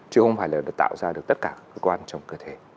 chứ không phải là để tạo ra được tất cả cơ quan trong cơ thể